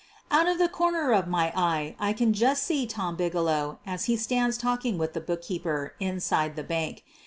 Out of the corner of my eye I can just see Tom Bigelow as he stands talking with the bookkeeper inside the bank.